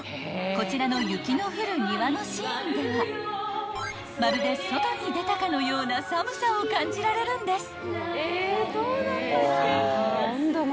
［こちらの雪の降る庭のシーンではまるで外に出たかのような寒さを感じられるんです］